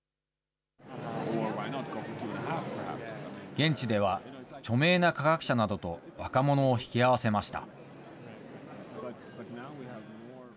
現地では、著名な科学者などと若者を引き合わせました。